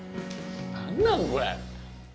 何なん、これ。